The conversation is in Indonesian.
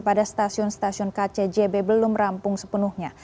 pada stasiun stasiun kcjb belum rampung sepenuhnya